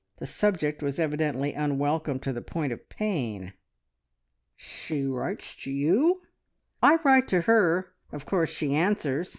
The subject was evidently unwelcome to the point of pain. "She writes to you?" "I write to her! Of course she answers.